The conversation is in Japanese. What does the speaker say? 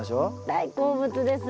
大好物です。